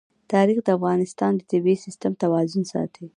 تاریخ د افغانستان د طبعي سیسټم توازن ساتي.